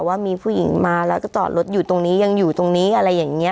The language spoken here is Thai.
ว่ามีผู้หญิงมาแล้วก็จอดรถอยู่ตรงนี้ยังอยู่ตรงนี้อะไรอย่างนี้